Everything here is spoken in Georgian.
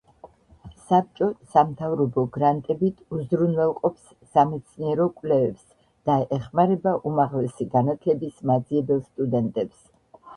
საბჭო სამთავრობო გრანტებით უზრუნველყოფს სამეცნიერო კვლევებს და ეხმარება უმაღლესი განათლების მაძიებელ სტუდენტებს.